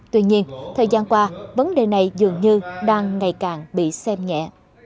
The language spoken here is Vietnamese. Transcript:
tuy nhiên thời gian qua vấn đề này dường như đang ngày càng bị xem nhẹ